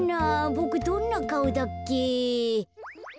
ボクどんなかおだっけ？